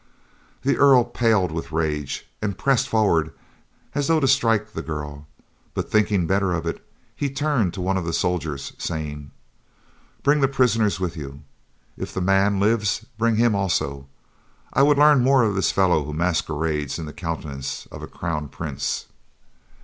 The Earl paled with rage, and pressed forward as though to strike the girl, but thinking better of it, he turned to one of the soldiers, saying: "Bring the prisoner with you. If the man lives bring him also. I would learn more of this fellow who masquerades in the countenance of a crown prince."